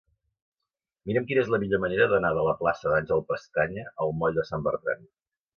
Mira'm quina és la millor manera d'anar de la plaça d'Àngel Pestaña al moll de Sant Bertran.